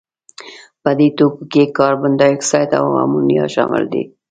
په دې توکو کې کاربن دای اکساید او امونیا شامل دي.